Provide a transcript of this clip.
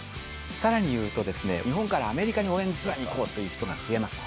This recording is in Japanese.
さらに言うと、日本からアメリカに応援ツアーに行こうという人が増えます。